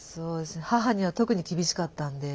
母には特に厳しかったんで。